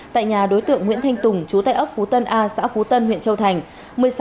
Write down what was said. tại nhà đối tượng nguyễn thanh tùng chú tại ấp phú tân a xã phú tân huyện châu thành